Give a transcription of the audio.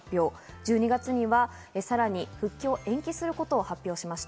１２月には、さらに復帰の延期を発表しました。